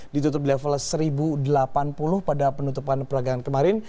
ditutup di level satu delapan puluh pada penutupan peragangan kemarin